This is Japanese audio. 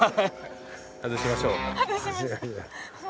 外しましょう。